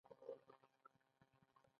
د مچۍ د زهر لپاره د پیاز اوبه وکاروئ